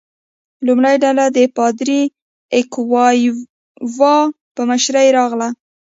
لومړۍ ډله د پادري اکواویوا په مشرۍ راغله.